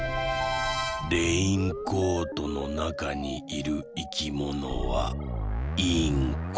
レインコートのなかにいるいきものは「インコ」。